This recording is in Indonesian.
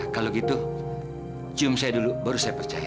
kalau gitu cium saya dulu baru saya percaya